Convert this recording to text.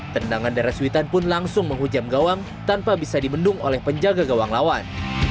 tendangan darah suitan pun langsung menghujam gawang tanpa bisa dibendung oleh penjaga gawang lawan